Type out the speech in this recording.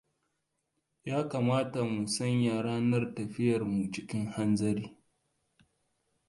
Ya kamata mu sanya ranar tafiyarmu cikin hanzari.